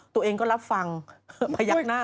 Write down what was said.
ตัวเองก็รับฟังพยักหน้า